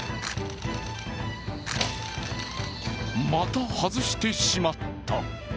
また外してしまった。